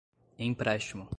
empréstimo